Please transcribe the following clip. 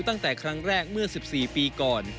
ตั้งแต่ครั้งแรกเมื่อ๑๔ปีก่อน